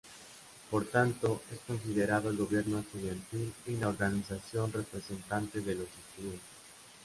Por tanto, es considerado el gobierno estudiantil y la organización representante de los estudiantes.